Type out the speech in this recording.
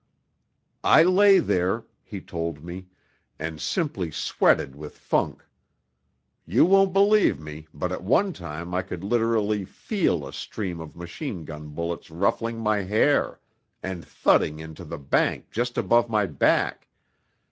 'I lay there,' he told me, 'and simply sweated with funk; you won't believe me, but at one time I could literally feel a stream of machine gun bullets ruffling my hair, and thudding into the bank just above my back